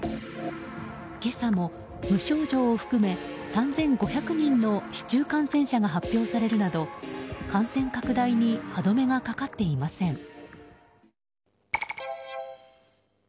今朝も無症状を含め３５００人の市中感染者が発表されるなど感染拡大に歯止めがかかっていません。